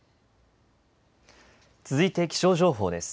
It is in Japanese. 続いて気象情報です。